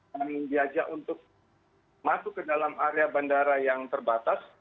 dan diajak untuk masuk ke dalam area bandara yang terbatas